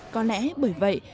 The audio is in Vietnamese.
có lẽ bởi vậy